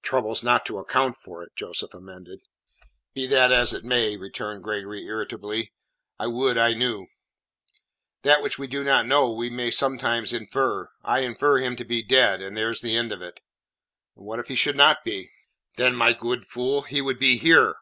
"Troubles not to account for it," Joseph amended. "Be that as it may," returned Gregory irritably, "I would I knew." "That which we do not know we may sometimes infer. I infer him to be dead, and there's the end of it." "What if he should not be?" "Then, my good fool, he would be here."